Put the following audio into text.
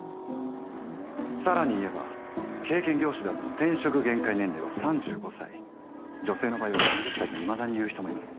更に言えば経験業種であっても転職限界年齢は３５歳女性の場合は３０歳といまだにいう人もいます。